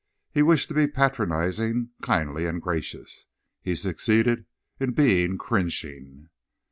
He wished to be patronising, kindly and gracious. He succeeded in being cringing.